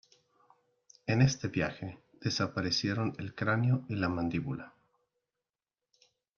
En este viaje desaparecieron el cráneo y la mandíbula.